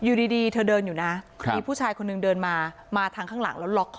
อยู่ดีเธอเดินอยู่นะมีผู้ชายคนหนึ่งเดินมามาทางข้างหลังแล้วล็อกคอ